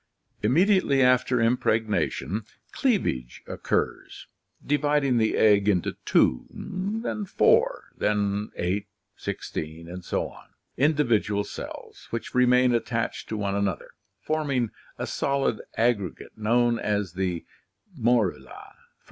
Immediately after impregnation, cleavage occurs, dividing the egg into two, then four, then eight, sixteen, and so on, individual cells which remain attached to one another, forming a solid aggre gate known as the morula (dim.